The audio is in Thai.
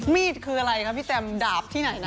มีดคืออะไรคะพี่แตมดาบที่ไหนนะ